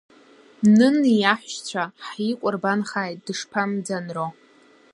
Нын, иаҳәшьцәа ҳикәырбанхааит, дышԥамӡанроу!